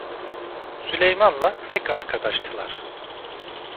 Süleyman'la pek arkadaştılar.